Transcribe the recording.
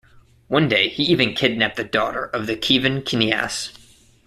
One day he even kidnapped the daughter of the Kievan kniaz.